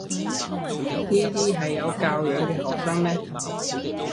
呢啲係有教養嘅學生咩？